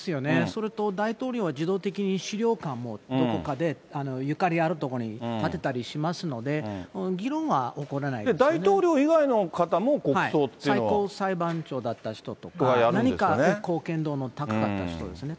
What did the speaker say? それと、大統領は自動的に資料館も、どこかにゆかりあるところに建てたりしますので、議論は起こらな大統領以外の方も国葬ってい最高裁判長だった人とか、何か貢献度の高かった人ですね。